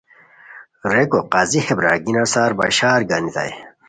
ریکو قاضی ہے برارگینیان سار بشار گانیتائے